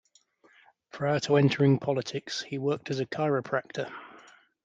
Prior to entering politics, he worked as a chiropractor.